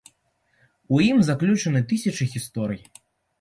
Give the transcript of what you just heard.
У ім заключаны тысячы гісторый.